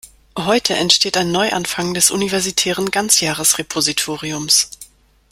Heute entsteht ein Neuanfang des universitären Ganzjahresrepositoriums.